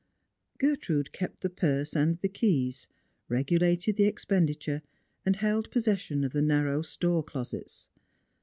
Gertrude kept the purse and the keys, regiilated the expenditure, and held possession of the narrow store closets.